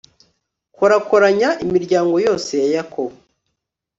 korakoranya imiryango yose ya yakobo